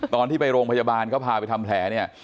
ตอนที่ไปโรงพยาบาลเขาพาไปทำแผลเนี่ย